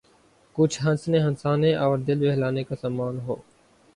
کچھ ہنسنے ہنسانے اور دل بہلانے کا سامان ہو۔